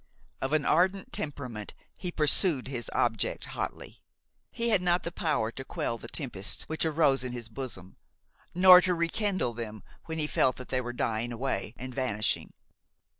Of an ardent temperament, he pursued his object hotly. He had not the power to quell the tempests which arose in his bosom, nor to rekindle them when he felt that they were dying away and vanishing.